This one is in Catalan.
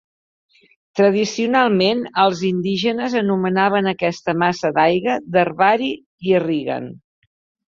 Tradicionalment, els indígenes anomenaven aquesta massa d'aigua "Derbarl Yerrigan".